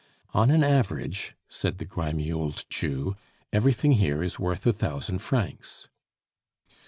"On an average," said the grimy old Jew, "everything here is worth a thousand francs."